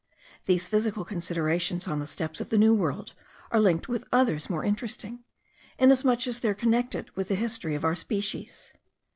These physical considerations on the steppes of the New World are linked with others more interesting, inasmuch as they are connected with the history of our species.